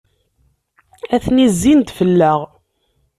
Atni zzin-d fell-aɣ.